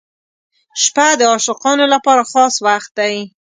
• شپه د عاشقانو لپاره خاص وخت دی.